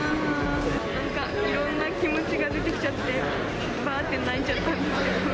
なんかいろんな気持ちが出てきちゃって、ばーって泣いちゃったんですけど。